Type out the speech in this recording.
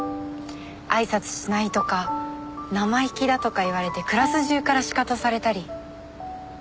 あいさつしないとか生意気だとか言われてクラス中からシカトされたり。